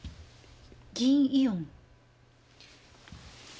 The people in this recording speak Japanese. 銀イオン。